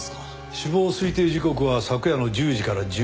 死亡推定時刻は昨夜の１０時から１１時の間。